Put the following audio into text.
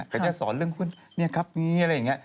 แกจะสอนเรื่องหุ้นนี่ครับนี่อะไรอย่างนี้